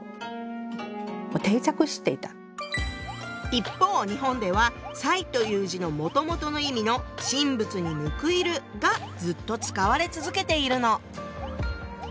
一方日本では「賽」という字のもともとの意味の「神仏にむくいる」がずっと使われ続けているの。